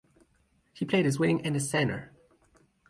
He played as wing and as centre.